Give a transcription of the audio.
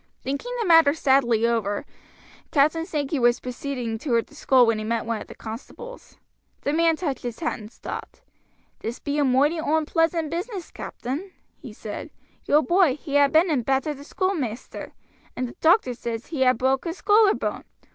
Thinking the matter sadly over, Captain Sankey was proceeding toward the school when he met one of the constables. The man touched his hat and stopped. "This be a moighty oonpleasant business, captain," he said; "your boy, he ha' been and battered schoolmaister; and t' doctor says he ha' broke his collarbone.